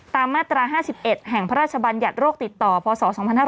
ตามมาตรา๕๑แห่งพระราชบันหยัดโรคติดต่อพศ๒๕๕๘